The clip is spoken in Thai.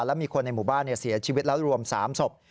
และมีคนในหมู่บ้านเสียชีวิตแล้วรวม๓ศพ